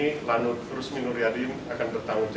dan lanut rusmin nuryadin